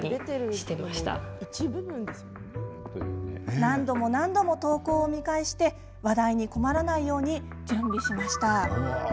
何度も何度も投稿を見返して話題に困らないように準備しました。